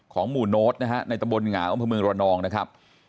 ของหมู่โน๊ตนะฮะในตะบลหงะอมพมืองรวดนองนะครับ